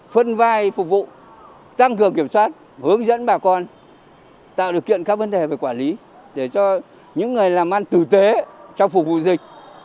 phân vai phục vụ tăng cường kiểm soát hướng dẫn bà con tạo điều kiện các vấn đề về quản lý để cho những người làm ăn tử tế trong phục vụ dịch